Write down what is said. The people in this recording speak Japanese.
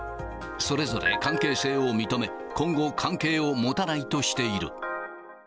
それぞれ関係性を認め、今後、関係を持たないとしている。